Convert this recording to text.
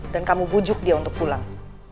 dan kamu bujuk dia untuk pulang